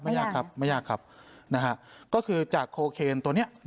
ยากครับไม่ยากครับนะฮะก็คือจากโคเคนตัวเนี้ย